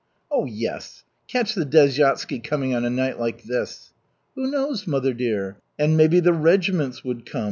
"Yes, catch the desyatsky coming on a night like this!" "Who knows, mother dear? And maybe the regiments would come!